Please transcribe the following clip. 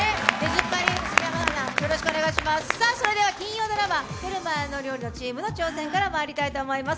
それでは金曜ドラマ「フェルマーの料理」のチームからの挑戦からまいりたいと思います。